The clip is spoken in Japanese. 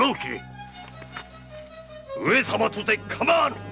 上様とてかまわぬ！